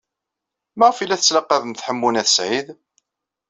Maɣef ay la tettlaqabemt Ḥemmu n At Sɛid?